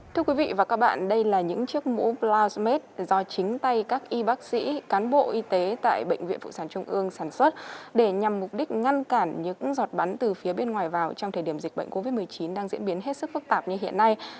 thưa quý vị và các bạn đây là những chiếc mũ blau smart do chính tay các y bác sĩ cán bộ y tế tại bệnh viện phụ sản trung ương sản xuất để nhằm mục đích ngăn cản những giọt bắn từ phía bên ngoài vào trong thời điểm dịch bệnh covid một mươi chín đang diễn biến hết sức phức tạp như hiện nay